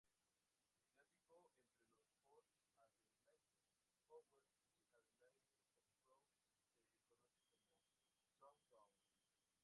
El clásico entre los Port Adelaide Power y Adelaide Crows se conoce como Showdown.